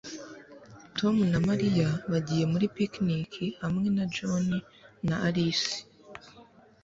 Tom na Mariya bagiye muri picnic hamwe na John na Alice.